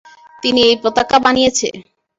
তিনি এই পতাকা বানিয়েছে।